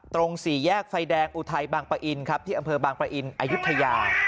สี่แยกไฟแดงอุทัยบางปะอินครับที่อำเภอบางปะอินอายุทยา